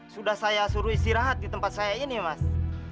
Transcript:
sudah saya suruh istirahat di tempat saya ini mas